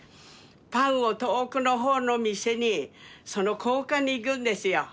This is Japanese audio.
パンを遠くの方の店にその交換に行くんですよ。